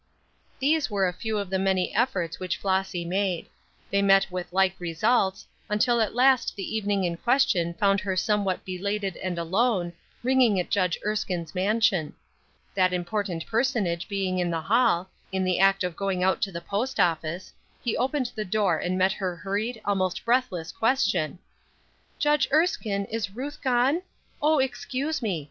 These were a few of the many efforts which Flossy made. They met with like results, until at last the evening in question found her somewhat belated and alone, ringing at Judge Erskine's mansion. That important personage being in the hall, in the act of going out to the post office, he opened the door and met her hurried, almost breathless, question: "Judge Erskine, is Ruth gone? Oh, excuse me.